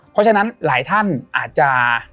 เพราะฉะนั้นหลายท่านอาจจะ